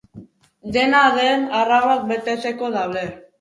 Dena den, arauak betetzeko daude.